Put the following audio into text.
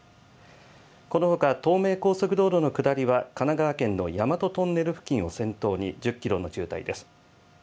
このほか東名高速道路の下りは神奈川県の大和トンネル付近を先頭に１０キロの渋滞です。